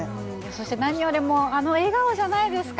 そして、何よりもあの笑顔じゃないですか？